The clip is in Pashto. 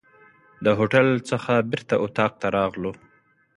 د هوټل څخه بیرته اطاق ته راغلو.